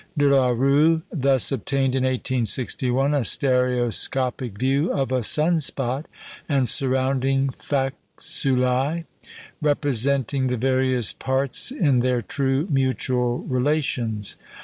De la Rue thus obtained, in 1861, a stereoscopic view of a sun spot and surrounding faculæ, representing the various parts in their true mutual relations.